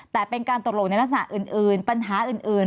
แต่เป็นการตกลงในลักษณะอื่นปัญหาอื่น